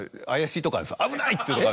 危ない！ってとこが。